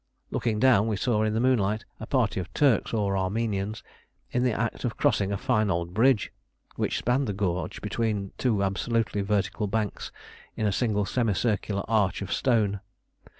Looking down, we saw in the moonlight a party of Turks or Armenians in the act of crossing a fine old bridge which spanned the gorge between two absolutely vertical banks in a single semicircular arch of stone.